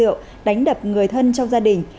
nguyễn duy hiệp đã bị đánh đập người thân trong gia đình